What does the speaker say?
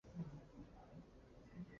符存审父亲符楚是陈州牙将。